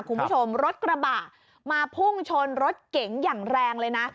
คุณผู้ชมรถกระบะมาพุ่งชนรถเก๋งอย่างแรงเลยนะ